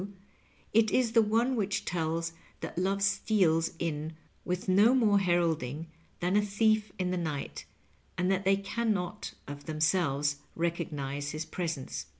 trae, it is the one which tdk that love steals in with no more heralding than a thief in the night, and that they can not of themselves recognize his presence.